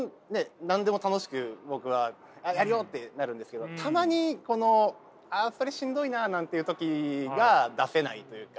何でも楽しく僕は「やるよ！」ってなるんですけどたまにこのあそれしんどいななんていう時が出せないというか。